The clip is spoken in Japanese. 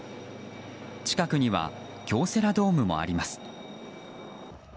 近くには京セラドームもあります。